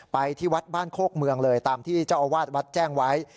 ไปที่วัดบ้านโคกเมืองเลยตามที่เจ้าอาวาสวัดแจ้งไว้